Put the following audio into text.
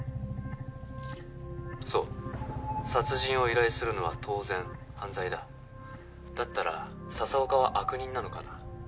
そう殺人を依頼するのは当然犯罪だだったら佐々岡は悪人なのかな？